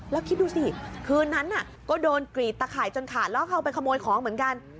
แล้วคิดดูสิคืนนั้นก็โดนกรีดตะข่ายจนขาดแล้วเข้าไปขโมยของเหมือนกัน